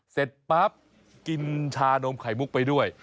เสร็จปั๊บกินชานมไข่มุกไปด้วย